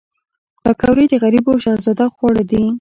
پکورې د غریبو شهزاده خواړه دي